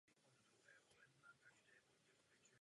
Čísla jsou šokující.